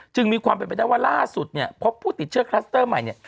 จึงมีความเป็นไปได้ว่าร่าสุดเพราะผู้ติดเชื่อคลัสเตอร์ใหม่